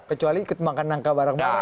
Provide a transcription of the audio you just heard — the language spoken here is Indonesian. kecuali ikut makan nangka bareng bareng